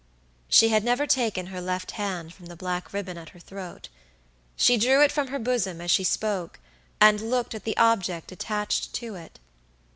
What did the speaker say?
She had never taken her left hand from the black ribbon at her throat. She drew it from her bosom, as she spoke, and looked at the object attached to it.